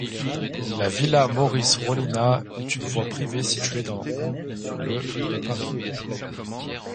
La villa Maurice-Rollinat est une voie privée située dans le de Paris.